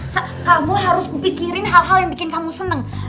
so kamu harus berpikirin hal hal yang bikin kamu seneng